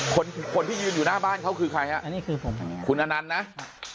คนที่ยืนอยู่หน้าบ้านเขาคือใครฮะอันนี้คือผมคุณอนันต์นะ